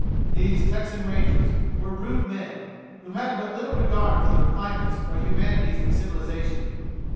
These Texan Rangers were rude men, who had but little regard for the refinements or humanities of civilization.